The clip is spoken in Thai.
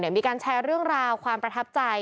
มีการแชร์เรื่องราวความประทับใจ